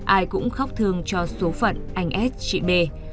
ai cũng khóc thương cho số phận anh s chị bê